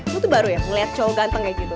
gue tuh baru ya ngeliat cowok ganteng kayak gitu